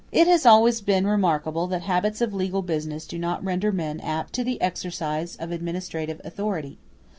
It has always been remarked that habits of legal business do not render men apt to the exercise of administrative authority.